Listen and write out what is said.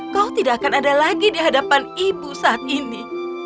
kau tidak akan ada lagi di hadapan ibu saat ini